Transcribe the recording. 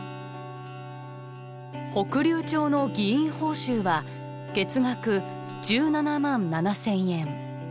北竜町の議員報酬は月額１７万７０００円。